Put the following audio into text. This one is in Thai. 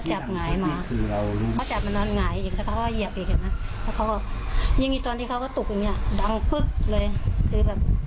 จะคิดแบบไม่อยากอยู่อ่ะจะอยู่ยังไงแบบคิดแบบ